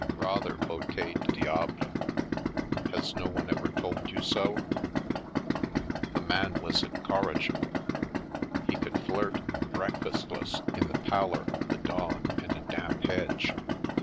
Rather beauti du diable — has no one ever told you so ?" The man was incorrigible — he could flirt, breakfast less, in the pallor of the dawn and a damp hedge.